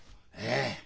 ええ！